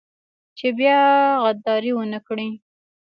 چې بيا غداري ونه کړي.